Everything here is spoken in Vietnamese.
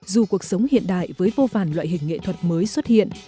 dù cuộc sống hiện đại với vô vàn loại hình nghệ thuật mới xuất hiện